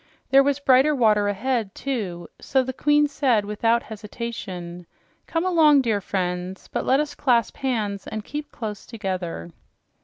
There was brighter water ahead, too, so the queen said without hesitation: "Come along, dear friends; but let us clasp hands and keep close together."